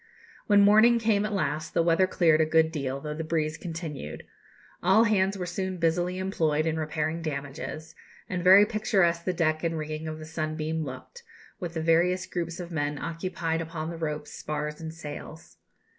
When morning came at last the weather cleared a good deal, though the breeze continued. All hands were soon busily employed in repairing damages; and very picturesque the deck and rigging of the Sunbeam looked, with the various groups of men occupied upon the ropes, spars, and sails.